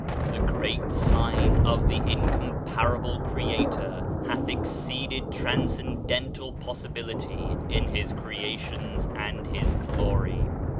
This greater sign of the Incomparable Creator has exceeded transcendental possibility, in his creations and his glory.